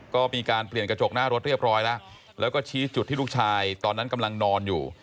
ก็มีการเปลี่ยนกระจกหน้ารถเรียบร้อยแล้วแล้วก็ชี้จุดที่ลูกชายตอนนั้นกำลังนอนอยู่